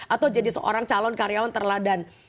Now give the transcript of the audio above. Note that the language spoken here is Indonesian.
atau jadi seorang calon karyawan terladan